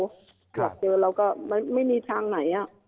อยากเจอเราก็ไม่มีทางไหน